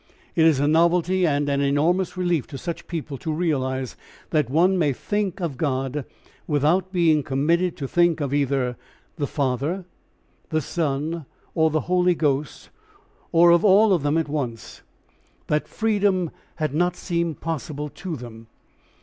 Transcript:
It is a novelty and an enormous relief to such people to realise that one may think of God without being committed to think of either the Father, the Son, or the Holy Ghost, or of all of them at once. That freedom had not seemed possible to them.